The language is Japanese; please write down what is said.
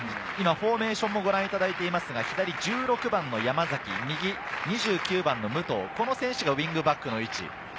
今フォーメーションをご覧いただいていますが、左１６番の山崎、２９番の武藤、その選手がウイングバックの位置。